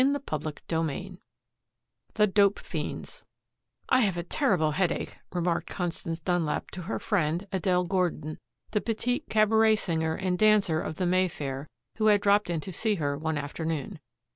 CHAPTER XI THE DOPE FIENDS "I have a terrible headache," remarked Constance Dunlap to her friend, Adele Gordon, the petite cabaret singer and dancer of the Mayfair, who had dropped in to see her one afternoon.